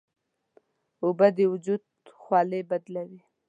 اوبه د وجود خولې بدلوي.